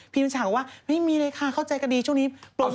มินฉาบอกว่าไม่มีเลยค่ะเข้าใจกันดีช่วงนี้